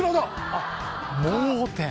あっ盲点